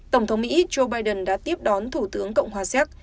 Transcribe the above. tổng thống mỹ joe biden đã tiếp đón thủ tướng cộng hòa séc